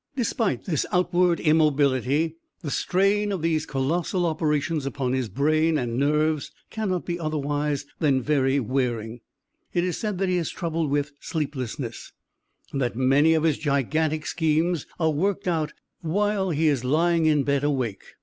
Despite this outward immobility, the strain of these colossal operations upon his brain and nerves cannot be otherwise than very wearing. It is said that he is troubled with sleeplessness, and that many of his gigantic schemes are worked out while he is lying in bed awake.